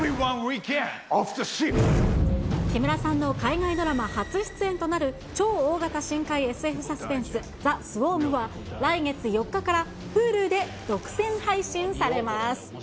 木村さんの海外ドラマ初出演となる超大型深海ＳＦサスペンス、ザ・スウォームは、来月４日から、Ｈｕｌｕで独占配信されます。